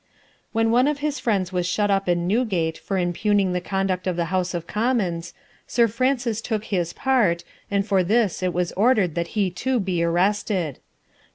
When one of his friends was shut up in Newgate for impugning the conduct of the House of Commons, Sir Francis took his part, and for this it was ordered that he too be arrested.